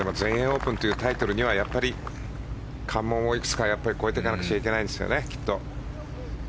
全英オープンというタイトルにはやっぱり関門をいくつか越えていかなくちゃいけないですよね。